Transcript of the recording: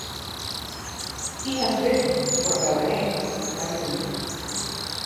He has written for "Bahrain" magazine.